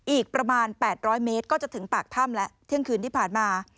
อีกประมาณ๘๐๐เมตรก็จะถึงปากถ้ำแล้วเที่ยงคืนที่ผ่านมา